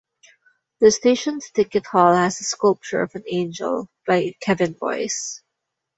The station's ticket hall has a sculpture of an Angel by Kevin Boys.